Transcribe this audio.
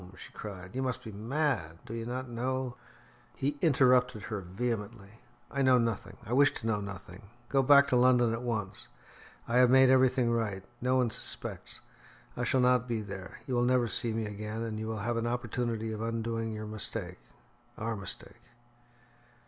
she cried. "You must be mad. Do you not know " He interrupted her vehemently. "I know nothing. I wish to know nothing. Go back to London at once. I have made everything right; no one suspects. I shall not be there; you will never see me again, and you will have an opportunity of undoing your mistake our mistake."